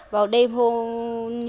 vào đêm hôm